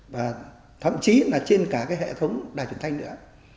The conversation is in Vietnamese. và thậm chí là trên cả cái hệ thống đài truyền thanh nữa